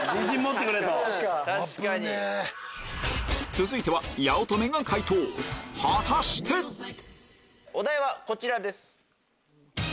続いては八乙女が解答果たして⁉お題はこちらです。